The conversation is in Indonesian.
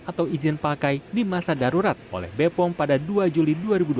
atau izin pakai di masa darurat oleh bepom pada dua juli dua ribu dua puluh